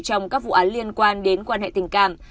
trong các vụ án liên quan đến quan hệ tình cảm